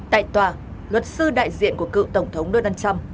tại tòa luật sư đại diện của cựu tổng thống donald trump